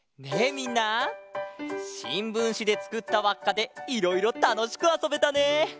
みんなしんぶんしでつくったわっかでいろいろたのしくあそべたね！